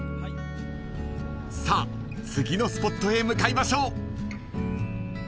［さあ次のスポットへ向かいましょう］